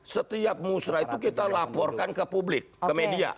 setiap musrah itu kita laporkan ke publik ke media